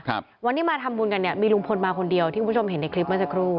ครับวันนี้มาทำบุญกันเนี่ยมีลุงพลมาคนเดียวที่คุณผู้ชมเห็นในคลิปเมื่อสักครู่